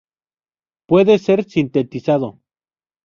Puede ser sintetizado.